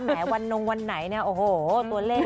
วันนงวันไหนเนี่ยโอ้โหตัวเลข